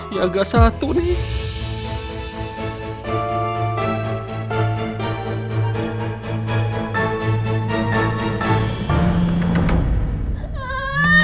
ya gak satu nih